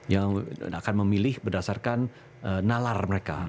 yang akan memilih berdasarkan nalar mereka